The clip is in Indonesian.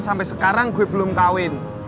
sampai sekarang gue belum kawin